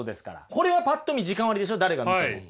これはパッと見時間割でしょ誰が見ても。